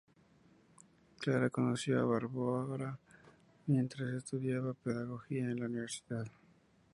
Klara conoció a Barbora mientras estudiaba pedagogía en la universidad.